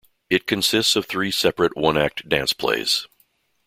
It consists of three separate one-act dance plays.